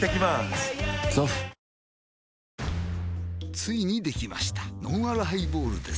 ついにできましたのんあるハイボールです